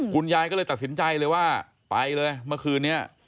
คุณยายก็เลยตัดสินใจเลยว่าไปเลยเมื่อคืนนี้